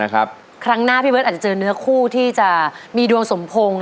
ครั้งหน้าพี่เบิร์ตอาจจะเจอเนื้อคู่ที่จะมีดวงสมพงษ์